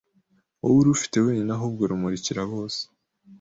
wowe urufite wenyine ahubwo rumurikira bose